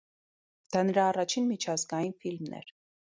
Դա նրա առաջին միջազգային ֆիլմն էր։